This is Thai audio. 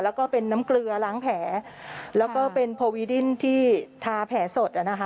แล้วก็เป็นน้ำเกลือล้างแผลแล้วก็เป็นโพวีดิ้นที่ทาแผลสดอ่ะนะคะ